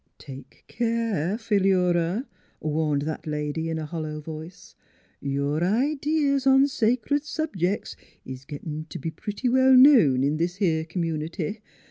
' Take care, Phi lura !" warned that lady in a hollow voice. " Your idees on sacred subjec's is 60 NEIGHBORS gettin' t' be pretty well known in this 'ere com munity.